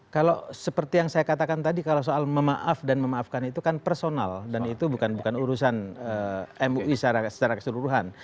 kalau seperti yang saya katakan tadi kalau soal memaaf dan memaafkan itu kan personal dan itu bukan urusan mui secara keseluruhan